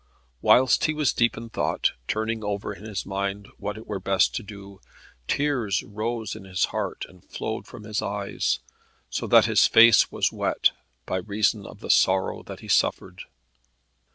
Whilst he was deep in thought, turning over in his mind what it were best to do, tears rose in his heart and flowed from his eyes, so that his face was wet, by reason of the sorrow that he suffered.